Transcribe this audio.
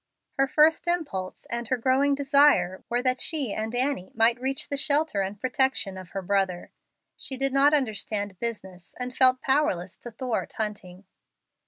Her first impulse and her growing desire were that she and Annie might reach the shelter and protection of her brother. She did not understand business, and felt powerless to thwart Hunting.